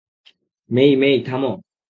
মেই-মেই, থামো।